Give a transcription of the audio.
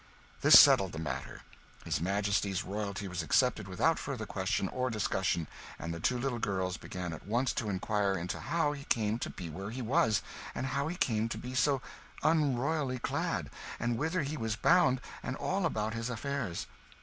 This settled the matter. His Majesty's royalty was accepted without further question or discussion, and the two little girls began at once to inquire into how he came to be where he was, and how he came to be so unroyally clad, and whither he was bound, and all about his affairs.